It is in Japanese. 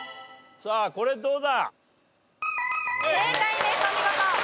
さあこれはどうだ？